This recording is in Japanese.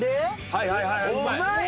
はいはいうまい。